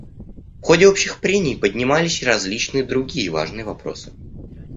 В ходе общих прений поднимались и различные другие важные вопросы.